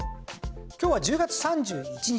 今日は１０月３１日。